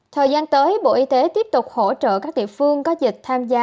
thời gian tới bộ y tế tiếp tục hỗ trợ các địa phương có dịch tham gia